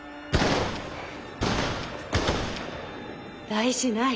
・大事ない。